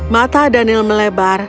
mata daniel melebar